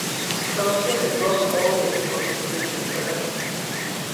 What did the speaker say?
პროვინცია შედგება მხოლოდ ერთი მუნიციპალიტეტისაგან.